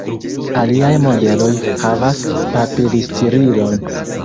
Aliaj modeloj havas papili-stirilon.